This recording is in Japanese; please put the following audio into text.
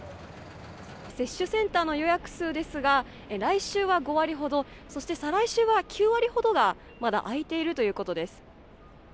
接種センターの予約数ですが来週は５割ほどそして再来週は９割ほどがまだ空いているということです。